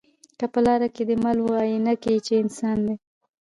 که په لاره کی دي مل وو آیینه کي چي انسان دی